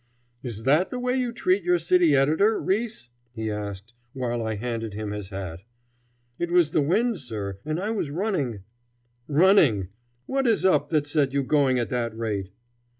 "Is that the way you treat your city editor, Riis?" he asked, while I handed him his hat. "It was the wind, sir, and I was running " "Running! What is up that set you going at that rate?"